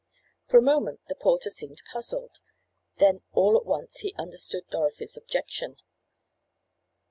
For a moment the porter seemed puzzled. Then, all at once, he understood Dorothy's objection.